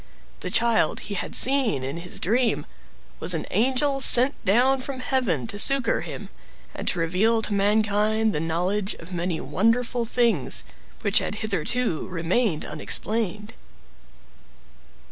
The child he had seen in his dream, was an angel sent down from heaven to succor him, and to reveal to mankind the knowledge of many wonderful things which had hitherto remained unexplained.